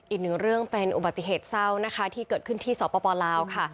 อีกหนึ่งเรื่องเป็นอุบัติเหตุเศร้านะคะที่เกิดขึ้นที่สปลาวค่ะ